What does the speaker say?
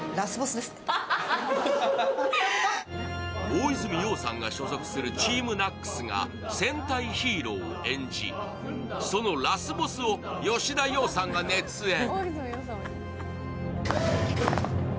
大泉洋さんが所属するＴＥＡＭＮＡＣＳが戦隊ヒーローを演じ、そのラスボスを吉田羊さんが熱演。